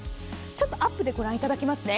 ちょっとアップで御覧いただきますね。